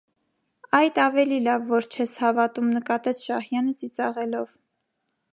- Այդ ավելի լավ, որ չես հավատում,- նկատեց Շահյանը ծիծաղելով: